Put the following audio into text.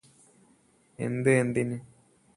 എന്ത് എന്തിന്